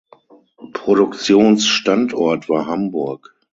Produktionsstandort war Hamburg.